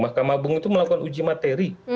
mahkamah agung itu melakukan uji materi